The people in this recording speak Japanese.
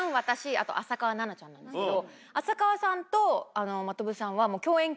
あと浅川梨奈ちゃんなんですけど。